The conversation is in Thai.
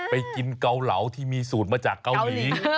ไปกินเกาเหลาที่มีสูตรมาจากเกาหลี